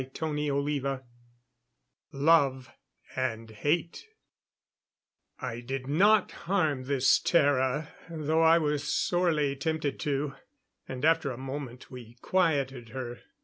CHAPTER XIII Love and Hate I did not harm this Tara, though I was sorely tempted to; and after a moment we quieted her.